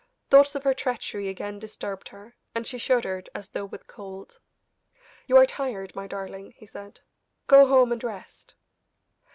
Thoughts of her treachery again disturbed her, and she shuddered as though with cold. "You are tired, my darling," he said. "Go home and rest."